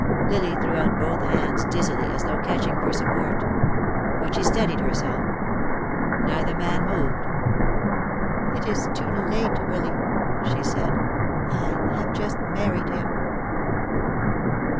Lily threw out both hands dizzily, as though catching for support. But she steadied herself. Neither man moved. "It is too late, Willy," she said. "I have just married him."